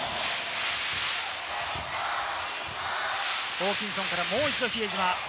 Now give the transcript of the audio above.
ホーキンソンからもう一度、比江島。